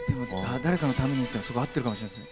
誰かのためにというのは、すごいあってるかもしれないですね。